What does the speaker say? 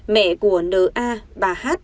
mẹ của n a bà h